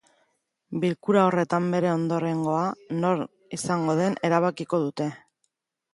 Bilkura horretan bere ondorengoa nor izango den erabakiko dute.